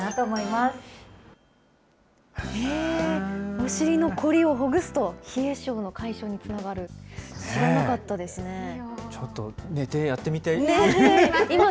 お尻の凝りをほぐすと冷え症の解消につながるんですね、知らちょっと寝てやってみたい。